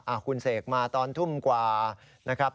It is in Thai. คุณเสกมาตอนทุ่มกว่านะครับ